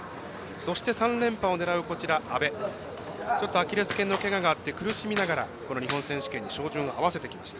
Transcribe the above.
そして３連覇を狙う安部、アキレスけんのけががあり苦しみながらこの日本選手権に照準を合わせてきました。